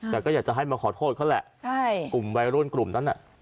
แต่ก็อยากจะให้มาขอโทษเขาแหละใช่กลุ่มวัยรุ่นกลุ่มนั้นน่ะ